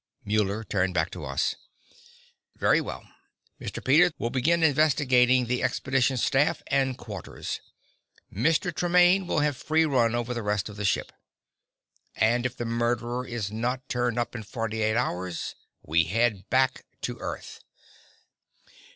Muller turned back to us. "Very well. Mr. Peters will begin investigating the expedition staff and quarters; Mr. Tremaine will have free run over the rest of the ship. And if the murderer is not turned up in forty eight hours, we head back to Earth!"